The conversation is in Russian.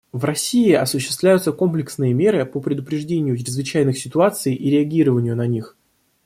В России осуществляются комплексные меры по предупреждению чрезвычайных ситуаций и реагированию на них.